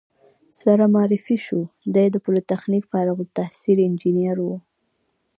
سره معرفي شوو، دی د پولتخنیک فارغ التحصیل انجینر و.